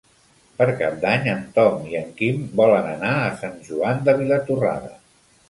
Per Cap d'Any en Tom i en Quim volen anar a Sant Joan de Vilatorrada.